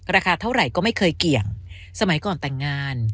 ราคาเท่าไหร่ก็ไม่เคยเกี่ยงสมัยก่อนแต่งงาน